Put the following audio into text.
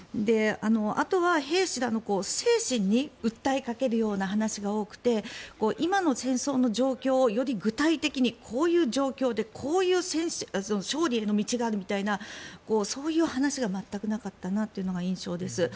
あとは兵士らの精神に訴えかけるような話が多くて今の戦争の状況をより具体的にこういう状況でこういう勝利への道があるみたいなそういう話が全くなかったなというのが印象です。